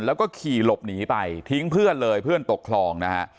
แล้วก็ขี่หลบหนีไปทิ้งเพื่อนเลยเพื่อนตกคลองนะฮะ